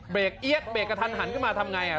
เอี๊ยดเบรกกระทันหันขึ้นมาทำไง